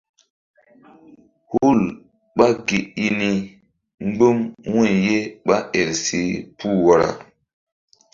Hul ɓá gi i ni mgbu̧m wu̧y ye ɓá el si puh wara.